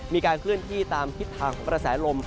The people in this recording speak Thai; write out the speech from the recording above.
มีการเคลื่อนที่ตามทิศทางของกระแสลม